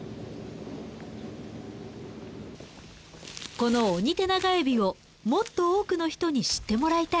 このオニテナガエビをもっと多くの人に知ってもらいたい。